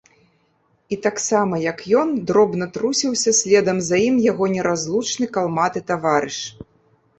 І таксама, як ён, дробна трусіўся следам за ім яго неразлучны калматы таварыш.